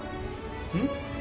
うん？